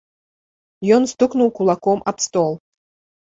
Ён стукнуў кулаком аб стол.